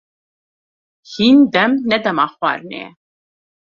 Hîn dem ne dema xwarinê ye.